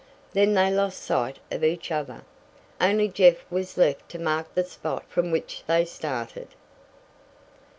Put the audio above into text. Then they lost sight of each other. Only Jeff was left to mark the spot from which they started.